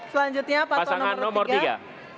selanjutnya pasangan nomor tiga